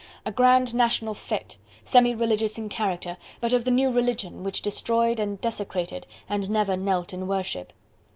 A grand National fete, semi religious in character, but of the new religion which destroyed and desecrated and never knelt in worship.